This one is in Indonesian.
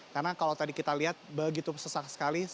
karena kalau tadi kita lihat begitu sesak sekali